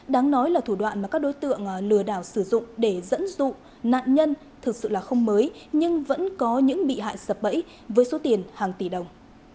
đáng nói là thủ đoạn mà các đối tượng lừa đảo sử dụng để dẫn dụ nạn nhân thực sự là không mới nhưng vẫn có những bị hại sập bẫy với số tiền hàng tỷ đồng